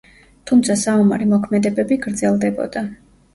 თუმცა საომარი მოქმედებები გრძელდებოდა.